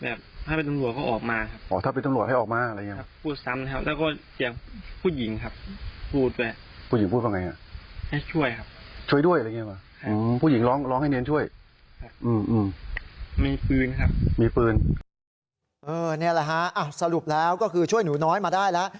นี่แหละฮะสรุปแล้วก็คือช่วยหนูน้อยมาได้แล้ว